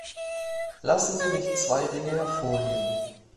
Lassen Sie mich zwei Dinge hervorheben.